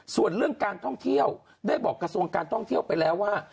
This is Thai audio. ส่วนเรื่องการท่องเที่ยวได้บอกกระทรวงการท่องเที่ยวไปแล้วว่า